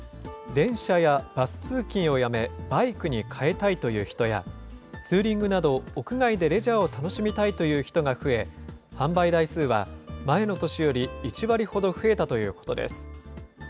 電車やバス通勤をやめ、バイクに変えたいという人や、ツーリングなど、屋外でレジャーを楽しみたいという人が増え、販売台数は前の年より１割ほど増えたということです。